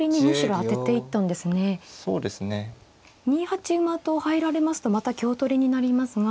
２八馬と入られますとまた香取りになりますが。